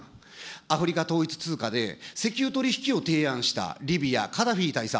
アフリカ統一通貨で石油取り引きを提案したリビア、カダフィ大佐。